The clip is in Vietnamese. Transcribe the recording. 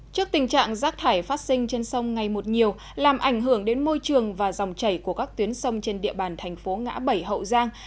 trước tình trạng rác thải phát sinh trên sông ngày một nhiều làm ảnh hưởng đến môi trường và dòng chảy của các tuyến sông trên địa bàn thành phố ngã bảy hậu giang